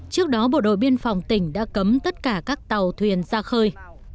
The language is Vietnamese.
trước đó bộ đội biên phòng tỉnh đã cấm tất cả các tàu thuyền ra khơi